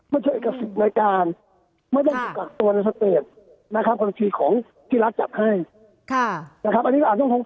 ไม่ใช่เอกสิทธิ์ในการไม่ต้องเป็นตัดตัวในสเตรดนะครับกรณีของที่รัฐจัดให้